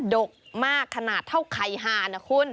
ดกมากขนาดเท่าไข่หานะคุณ